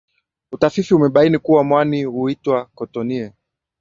utafifi umebaini kuwa mwani unaoitwa cottonie